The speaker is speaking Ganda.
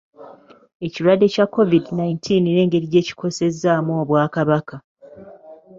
Ekirwadde kya COVID nineteen n'engeri gye kikosezza Obwakabaka